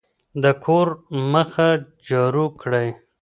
د کور مخه جارو کړئ.